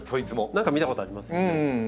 何か見たことありますよね。